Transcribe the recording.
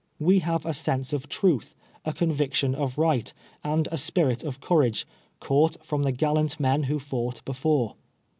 We have a sense of truth, a conviction of right, and a spirit of courage, caught from Hhe gallant men who fought before.